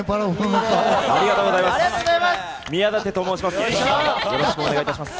ありがとうございます！